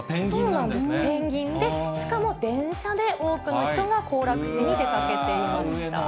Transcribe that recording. そうなんです、ペンギンで、しかも電車で多くの人が行楽地に出かけていました。